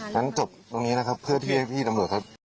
อยู่หน้าครับพวก